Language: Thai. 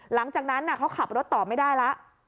หลังจากนั้นเขาขับรถต่อไม่ได้แล้ว